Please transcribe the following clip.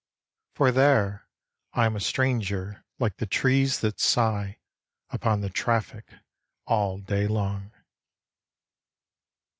For there I am a stranger like the trees That sigh upon the traffic all day long.